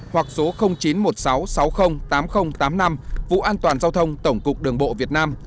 hoặc số chín trăm một mươi sáu sáu mươi tám mươi tám mươi năm vụ an toàn giao thông tổng cục đồng bộ việt nam